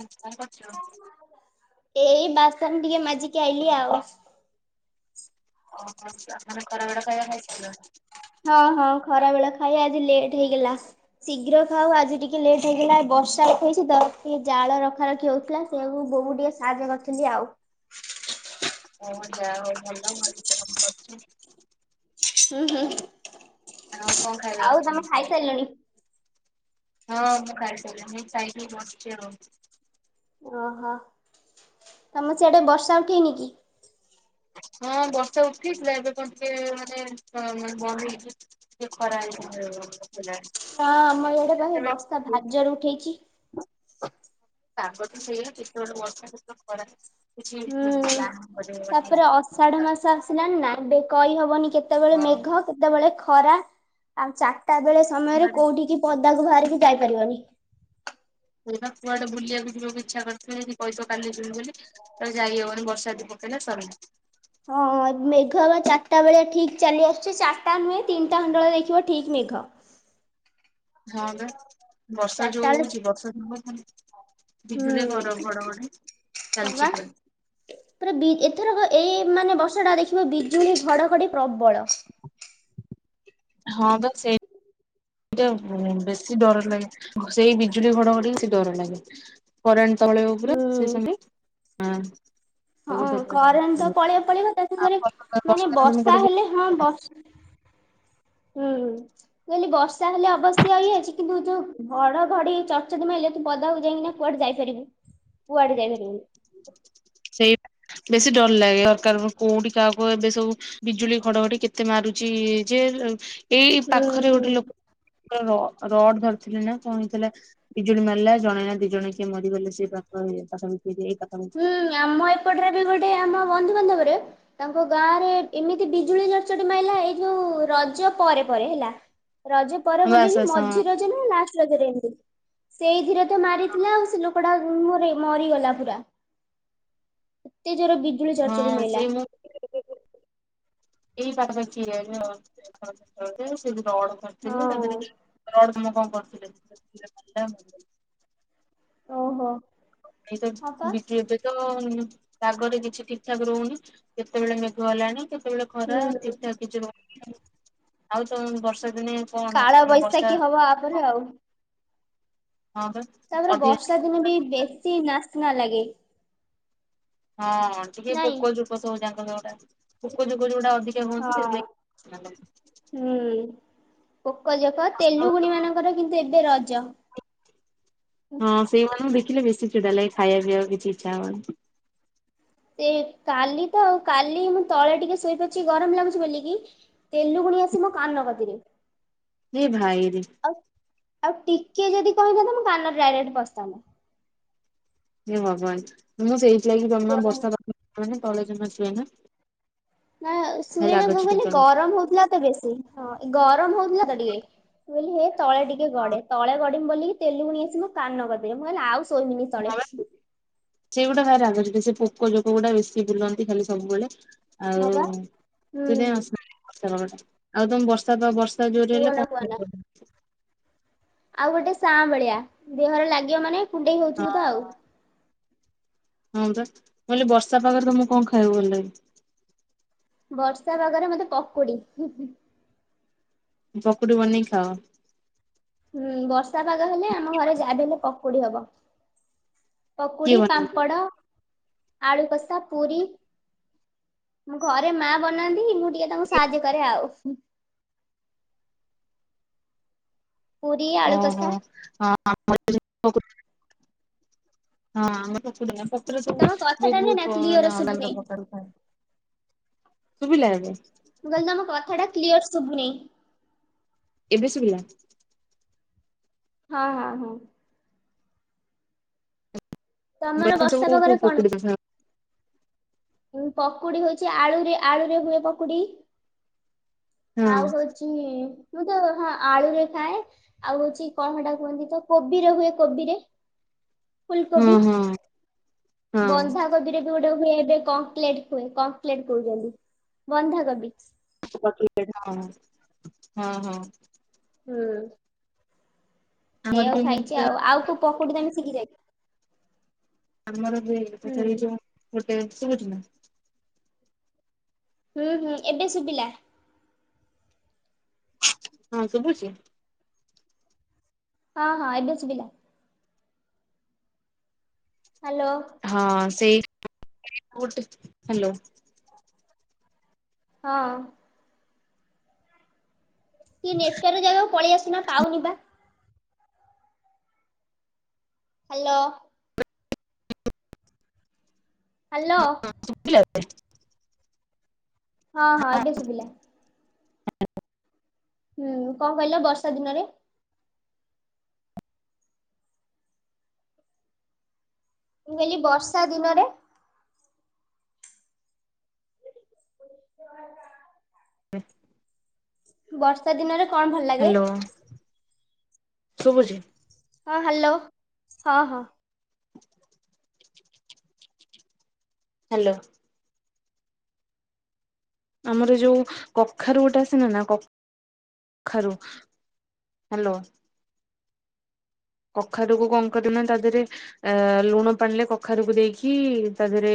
ହଁ କଣ କରଛ ଏଇ ଟିକେ ମଜିକି ଆଇଲି ଆଉ ଓହୋ ଆ କରବେଡା କ ଖାଇଥିଲ ହଁ ହଁ ଖରା ବେଳ ଖାଇ ଆଜି ଲେଟ୍ ହେଇଗଲା ଶୀଘ୍ର ଖାଉ ଆଜି ଟିକେ ଲେଟ୍ ହେଇଗଲା ବର୍ଷା ଉ ହେେଇଛି ତ ଟିକେ ଜାଳ ରଖା ରଖି ହଉଥିଲା ସେୁ ବୋବ ଟିକେ ସାହାଯ୍ୟ କରିଥିଲି ଆଉ ଓ ଯା ଭଛ ହୁଁ ହୁଁ ହଉ ଆଉ ତମେ ଖାଇସାରିଲଣି ହଁ ମୁଁ ଖାଇାଇକି ବଛ ଓହୋ ତମର ସିଆଡେ ବର୍ଷା ଉଠେଇନି କି? ହଁ ବର୍ଷା ଉଠେଇ ଥିଲା ଏବେ କଣ ଟିକେ ମାନେ ବନ୍ଦ ହେଇଛି ଟିକେ ଖରା ହେଇ ହଁ ଆମ ଇଆଡେ ବର୍ଷା ଭାରି ଜୋର୍ ରେ ଉଠେଇଛି। ତାଙ୍କ ତ ସେଇଆ କେତେବେଳେ ବର୍ଷା କେତେବେଳେ ଖରା - ହୁଁ ତାପରେ ଅଷାଢ ମାସ ଆସିଲାନି ନା ଏବେ କହି ହବନି କେତେବେଳେ ହଁ ମେଘ କେତେବେଳେ ଖ ଖରା ଆଉ ଚା ତା ବେଳେ ସମୟରେ କୋଉଠିିକି ପଦ୍ ଦାକୁ ବାହାରିକି ଯାଇପାରିବନି। କିବା କୁଆଡେ ବୁଲିବାକୁ ଯିବାକୁ ଇଚ୍ଛା କରିଥିବେ ଯ କହିବ କାଲି ଯିବି ବୋଲି ତ ଯାଇହବନି ବର୍ଷା ଯଦି ପକେଇଲେ ସରିିଲା। ହଁ ହଁ ମେଘ ବା ଚାରିଟା ବେଳେ ଠିକ ଚାଲି ଆସୁଛି ଚାରିଟା ନୁହେଁ ତିନିଟା ଖଣ୍ଡେ ବେଳେ ଦେଖିବ ଠିକ ମେଘ। ହଁ ବା ବର୍ଷା ଯୋଉ ଚାରିଟା ବେଳେ ହଉଛି ବର୍ଷା ଦିନରେ ହୁଁ ଚାଲିଛି ହବା ପୁରା। ପୁରା ବି ଏତେ ଏଥରକ ଏଇ ମାନେ ବର୍ଷ ଟା ଦେଖିବ ବିଜୁଳି ଘଡଘଡି ପ୍ରବଳ ହଁ ବା ସେଇ ବେଶି ଡର ଲାଗେ ସେଇ ବିଜୁଳି ଘଡଘଟିକି ସେ ଡର ଲାଗେ କରେଣ୍ଟ ସେତେବେଳେ ପୁରା ହୁଁ ସେଇ ହଁ କରେଣ୍ଟ ତ ପଳେଇବ ପଳେଇବ ତା ସାଙ୍ଗରେ ମାନେ ବର୍ଷା ହେଲେ ହଁ ବର୍ଷ [unintelligible] ହୁଁ ହୁ କହିଲି ବର୍ଷା ହେଲେ ଅବ ସେଇ ହେଇଛି କିନ୍ତୁ ଛୁ ଘଡ ଘଡି ଚଡଚଡି ମାଇଲେ ତୁ ପଦାକୁ ଯାଇକି ନା କୁଆଡେ ଯାଇପାରିବୁ କୁଆଡେ ଯାଇପାରିବୁନୁ। ସେଇ ବେଶି ଡର ଲାଗେ ଦରକାର କୋଉଠି କାହାକୁ ଏବେ ସବୁ ବିଜୁଳି ଖଡଘଡି କେତେ ମାରୁଛି ଯେ ଏଇ ହୁଁ ପାଖରେ ଗୋଟେ ହୁଁ। ଲୋକଙ୍କର ର ରଡ ଧରିଥିଲେ ନା କଣ ହେଇଥିଲା ବିଜୁଳି ମାରିଲା ଜଣେ ନା ଦି ଜଣେ କିଏ ମରିଗଲେ ସେ ପାଖ ପାଖି ସେଇ କଥା। ହୁଁ ଆମ ଏପଟରେ ବି ଗୋଟେ ଆମ ବନ୍ଧୁବାନ୍ଧବରେ ତାଙ୍କ ଗାଁ ରେ ଏମିତି ବିଜୁଳି ଚଡ଼ଚଡି ମାଇଲା ଏଇ ଯୋଉ ରଜ ପରେ ପରେ ହେଲା। ରଜ ପର ବାସ୍ ବୋଲିକି ବାସ୍ ହଁ ମଝି ରଜ ନା ଲାଷ୍ଟ ରଜରେ ଏମିତି ସେଇଥିରେ ମାରିଥିଲା ଆଉ ସେ ଲୋକଟା ମରିଗଲା ପୁରା। ଏତେ ଜୋରରେ ବିଜୁଳି ଚର୍ଚରୀ ହଁ ହେଲା। ସେଇ ମୁଁ ଏଇ ପାଖାପାଖିଆ ଏରିଆ [unintelligible] ରଡ ଧରିଥିଲି ହଁ ତାଦେହରେ ରଡ଼ କାମ କଣ କରୁଥିଲି। [unintelligible] ଓହୋ। ଏ ତ ହଁ ପା। ବିକି ଏବେ ତ ଆଗରେ କିଛି ଠିକି ଠାକ ରହୁନି। କେତେବେଳେ ମେଘ ହେଲାଣି କେତେବେଳେ ଖରା ହୁଁ ଠିକ୍ ଠାକ କିଛି ରହୁନି? ଆଉ ତ ବର୍ଷା ଦିନେ କଣ କାଳ ତମେ ବର୍ଷା ବୈଶାଖୀ ହବ ଆପରେ ଆଉ ହଁ ବା ତାପରେ ଅଧିକ ବର୍ଷା ଦିନ ବି ବେଶୀ ନାହିଁ ନ ଲାଗେ ହଁ ଟିକେ ନାଇଁ ପୁକ ଯୁକ ସବୁ ଯାଙ୍କ ସ [unintelligible] ପୁକଯୁକ ଯୋଉଡା ଅଧିକା ହୁଅନ୍ତି ହଁ ସେଥିଲାଗି ପୋକଜକ ଆଉ ତେଲୁଗୁଣି ମାନଙ୍କର କିନ୍ତୁ ଏବେ ରଜ। ହଁ ସେଇମାନଙ୍କୁ ଦେଖି ଖିଲେ ବେଶି ଚିଡ଼ା ଲାଗେ ଖାଇବା ପିଇବାକୁ କିଛି ଇଛା ହୁଏନି। ଏ କାଲି ତ ଆଉ କାଲି ମୁଁ ତଳେ ଟିକେ ଶୋଇପଡ଼ିଛି ଗରମ ଲାଗୁଛି ବୋଲିକି ତେଲୁଗୁଣି ଆସି ମୋ କାନ କତିରେ ହେ ଭାଇରେ ଆଉ। ଆଉ ଟିକେ ଯଦି କଣ ହେଇଥାନ୍ତା ମୋ କାନରେ ଡାଇରେକ୍ଟ ପସିଥାନ୍ତା। ହେ ଭଗବାନ ତ ମୁଁ ସେଇ ଲାଗି ଜମା ବର୍ଷା ମୁଁ ବି ତଳେ ଜମା ସୁଏନା। ନା ଶୁଏ ନା ମୁଁ ବୋଲି ତଳେ। ଗରମ ହଉଥିଲା ତ ବେଶୀ। ହଁ ଏ ଗରମ ହଉଥିଲା ତ ଟିକେ ମୁଁ କହିଲି ହେ ତଳେ ଟିକେ ଗଡେ ତଳେ ଗଡିମି ବୋଲି ତେଲୁଗୁଣି ଆସି ମୋ କାନ କତିରେ ମୁଁ କହିଲି ଆଉ ସୋଇମିନି ତଳେ। ସେଗୁଡ଼ା ଭାରି ରାଗ ଲାଗିବ ସେ ପୋକ ଜୋକ ଗୁଡା ବେଶୀ ବୁଲନ୍ତି ଖାଲି ସବୁବେଳେ। ଆଉ ହଁ ବା। ହୁଁ ତୁ ଯାଇଁ [unintelligible] ଆଉ ତମେ ବର୍ଷା ତ ବର୍ଷା ଜୋରେ ହେଲେ କୁହନା କଣ କୁହନା ଖାଇବ? ଆଉ ଗୋଟେ ସାଆଁ ବଳିଆ ଦେହରେ ଲାଗିବ ମାନେ କୁଣ୍ଡେଇ ହୋଉଥିବୁ ତ ଆଉ। ହଁ ପା ମୁଁ କହିଲି ବର୍ଷା ପାଗରେ ତମକୁ କଣ ଖାଇବାକୁ ଭଲ ଲାଗେ? ବର୍ଷା ପାଗରେ ମତେ ପକୁଡି। ପକୁଡି ବନେଇ ଖାଅ? ହୁଁ ବର୍ଷା ପାଗ ହେଲେ ଆମ ଘରେ ଯାହା ବି ହେଲେ ପ କୁଡ଼ି ହବ। କିଏ ପକୁଡି ବନାନ୍ତି? ପାମ୍ପଡ଼। ଆଳୁ କଷା ପୁରୀ ମୋ ଘରେ ମା ବନାନ୍ତି ମୁଁ ଟିକେ ତାଙ୍କୁ ସାହାଯ୍ୟ କରେ ଆଉ। ପୁରୀ ଆଳୁ ଓହୋ କଷା ହଁ। ହଁ ଆମ [unintelligible] ହଁ [unintelligible] ପ ସବୁ ବହୁତ ତମ ବହୁତ ମାନେ କଥାଟା ନୁହେଁ ନା ଅଲଗା କ୍ଲିୟର ଶୁଭୁନି ଅଲଗା ପ୍ରକାର ଥାଏ। ଶୁଭିଲା ଏବେ? ମୁଁ କହିଲି ତମ କଥାଟା କ୍ଲିୟର ଶୁଭୁନି। ଏବେ ଶୁଭିଲା? ହଁ ହଁ। ତମର କ ପକୁଡ଼ ବର୍ଷା ପାଗରେ କଣ? ସ [inaudible] ପକୁଡି ହେଇଛି ଆଳୁରେ ଆଳୁରେ ହୁଏ ପକୁଡି। ହଁ ଆଉ ହଉଛି ମୁଁ ତ ହଁ ଆଳୁରେ ଖାଏ ଆଉ ହଉଛି କଣ ହେଇଟା କୁହନ୍ତି ତ କୋବିରେ ହୁଏ କୋବିରେ। ହୁଁ ହିଁ। ବନ୍ଧା କୋବିରେ ବି ହୁଏ। ଗୋଟେ ହୁଏ ଏବେ କଙ୍କଲେଟ ହୁଏ କଙ୍କଲେଟ କହୁଛନ୍ତି ବନ୍ଧାକୋବି। ହ ହଁ ହଁ। ହୁଁ। ଏଇ ଆମର ଆଉ ବି ମୁଁ ଖାଇଛି ତ ଆଉ ଆଉ କୋଉ ପକୁଡ଼ି ତମେ ଶିଖି ଯାଇଛ। ଆମର ବି ହୁଁ [unintelligible] ଯୋଉ ଗୋଟେ ଶୁଭୁଛି ନା। ହୁଁ ହୁଁ ଏବେ ଶୁଭିଲା। ହଁ ଶୁଭୁଛି। ହଁ ହଁ ଏବେ ଶୁବିଲା। ହ୍ୟାଲୋ ହଁ ସେଇ। [unintelligible] ହ୍ୟାଲୋ। ହଁ। କିଏ ନେଟୱର୍କ ଜାଗାକୁ ପଳେଇଆସୁନ ପାଉନି ବା। ହ୍ୟାଲୋ। ହ୍ୟାଲୋ। ହ- ହଁ ହଁ ଏବେ ଶୁଭିଲା। ହ- ହୁଁ କଣ କହିଲ ବର୍ଷା ଦିନରେ। ମୁଁ କହିଲି ବର୍ଷା ଦିନରେ। ପ- ହୁଁ। ବର୍ଷା ଦିନରେ କଣ ଭଲ ଲାଗେ ଶୁଭୁଚି। ହଁ ହ୍ୟାଲୋ ହ ହଁ [inaudible] ହ୍ୟାଲୋ। ଆମର ଯୋଉ କଖାରୁ ଗୋଟେ ଆସନା ନା କଖାରୁ ହ୍ୟାଲୋ କଖାରୁକୁ କଣ କରିବୁ ନା ତା ଦେହରେ ଆ ଲୁଣ ପାଣିଲେ କଖାରୁକୁ ଦେଇକି ତା ଦେହରେ